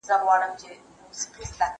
زه بايد بوټونه پاک کړم!.